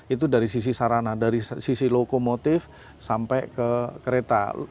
itu dari sisi sarana dari sisi lokomotif sampai ke kereta